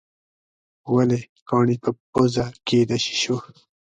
ولې کاڼي په پزه کې د شېشو.